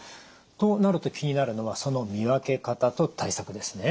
となると気になるのはその見分け方と対策ですね。